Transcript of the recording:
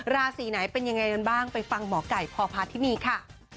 ราศีไหนเป็นยังไงกันบ้างไปฟังหมอไก่พพาธินีค่ะ